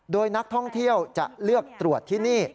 โดยนักท่องเที่ยวจะเลือกตรวจที่นี่